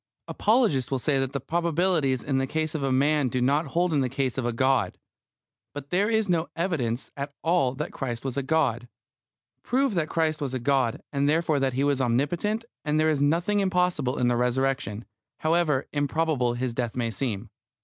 Apologists will say that the probabilities in the case of a man do not hold in the case of a God. But there is no evidence at all that Christ was God. Prove that Christ was God, and therefore that He was omnipotent, and there is nothing impossible in the Resurrection, however improbable His death may seem.